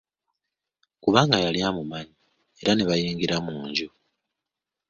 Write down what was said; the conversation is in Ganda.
Kubanga yali amumanyi era ne bayingira mu nju.